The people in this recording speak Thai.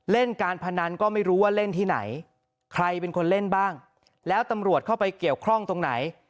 เล่นการพนันก็ไม่รู้ว่าเล่นที่ไหนใครเป็นคนเล่นบ้างแล้วตำรวจเข้าไปเกี่ยวข้องตรงไหน